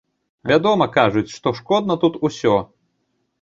Вядома, кажуць, што шкодна тут усё.